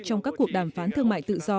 trong các cuộc đàm phán thương mại tự do